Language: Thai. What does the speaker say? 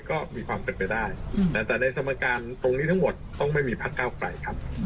ก็มีความเป็นไปได้แต่ในสมการตรงนี้ทั้งหมดต้องไม่มีพักเก้าไกลครับ